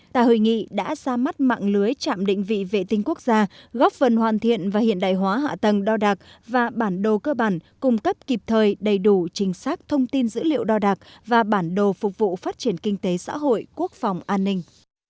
tại hội nghị đã ra mắt mạng lưới chạm định vị vệ tinh quốc gia góp phần hoàn thiện và hiện đại hóa hạ tầng đo đạc và bản đồ cơ bản cung cấp kịp thời đầy đủ chính xác thông tin dữ liệu đo đạc và bản đồ phục vụ phát triển kinh tế xã hội quốc phòng an ninh